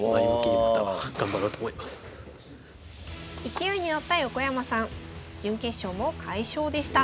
勢いに乗った横山さん準決勝も快勝でした。